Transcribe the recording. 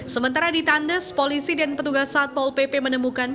sementara di tandes polisi dan petugas satpol pp menemukan